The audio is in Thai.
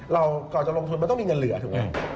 ก่อนจะลงทุนมันต้องมีเงินเหลือถูกไหม